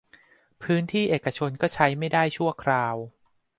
พื้นที่เอกชนก็ใช้ไม่ได้ชั่วคราว